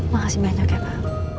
makasih banyak ya pak